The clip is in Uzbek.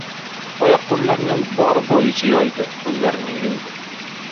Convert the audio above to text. Oyoq-qo‘llarini bor bo‘yicha yoydi. Ko‘zlarini yumdi.